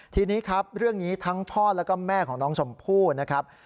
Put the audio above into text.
ทีนี้ครับเรื่องนี้ทั้งพ่อแล้วก็แม่ของน้องชมพู่นะครับ